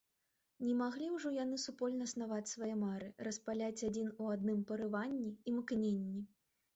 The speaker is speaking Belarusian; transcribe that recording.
Не маглі ўжо яны супольна снаваць свае мары, распаляць адзін у адным парыванні, імкненні.